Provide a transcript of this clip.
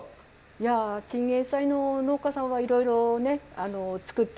いやチンゲンサイの農家さんはいろいろね作って。